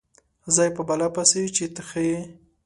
ځای په بلا پسې چې ته ښه یې.